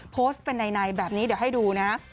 โพสต์เป็นในแบบนี้เดี๋ยวให้ดูนะฮะ